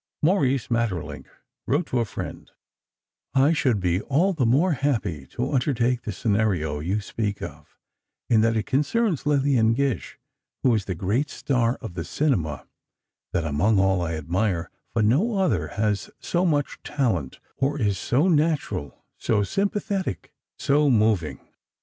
Maurice Maeterlinck wrote to a friend: I should be all the more happy to undertake the scenario you speak of, in that it concerns Lillian Gish, who is the great star of the cinema that, among all, I admire, for no other has so much talent, or is so natural, so sympathetic, so moving.